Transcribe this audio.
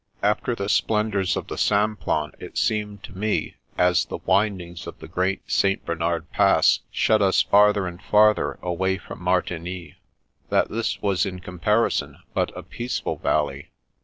After the splendours of the Simplon it seemed to me, as the windings of the Great St. Bernard Pass shut us farther and farther away from Martigny, that this was in comparison but a peaceful valley.